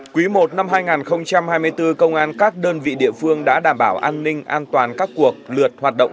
quý i năm hai nghìn hai mươi bốn công an các đơn vị địa phương đã đảm bảo an ninh an toàn các cuộc lượt hoạt động